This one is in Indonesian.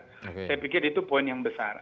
saya pikir itu poin yang besar